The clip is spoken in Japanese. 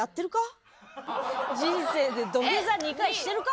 人生で土下座２回してるか？